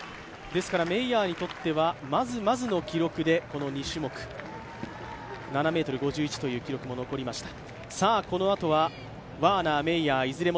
メイヤーにとっては、まずまずの記録でこの２種目、７ｍ５１という記録も残りました。